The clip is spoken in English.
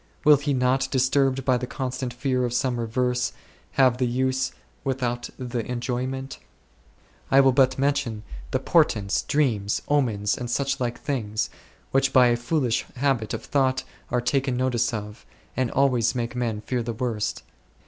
Will he not, disturbed by the constant fear of some reverse, have the use without the enjoyment ? I will but Mention the portents, dreams, omens, and such like things which by a foolish habit of thought are taken notice of, and always make men fear the worst.